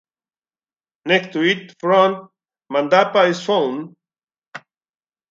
Next to it front mandapa is found.